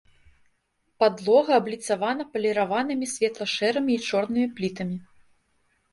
Падлога абліцавана паліраванымі светла-шэрымі і чорнымі плітамі.